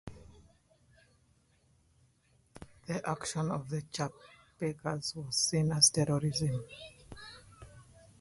The action of the Chapekars was seen as terrorism.